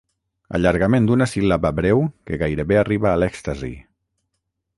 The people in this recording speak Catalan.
Allargament d'una síl·laba breu que gairebé arriba a l'èxtasi.